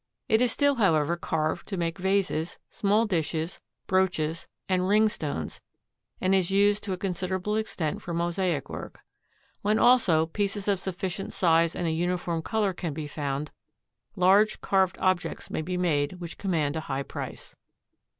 It is still however carved to make vases, small dishes, brooches and ring stones and is used to a considerable extent for mosaic work. When, also, pieces of sufficient size and of a uniform color can be found, large carved objects may be made which command a high price.